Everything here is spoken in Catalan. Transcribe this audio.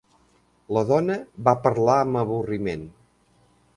La dona va parlar amb avorriment.